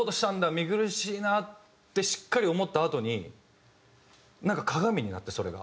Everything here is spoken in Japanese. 見苦しいなってしっかり思ったあとになんか鏡になってそれが。